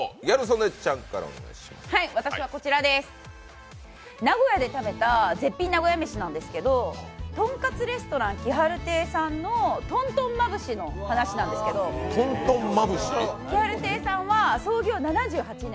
私はこちらです、名古屋で食べた絶品・名古屋めしなんですけどとんかつレストラン気晴亭さんのとんとんまぶしの話なんですけど気晴亭さんは創業７８年。